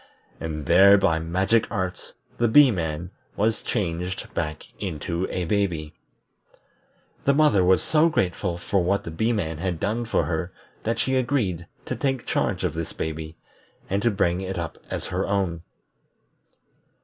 And there by magic arts the Bee man was changed back into a baby. The mother was so grateful for what the Bee man had done for her that she agreed to take charge of this baby, and to bring it up as her own.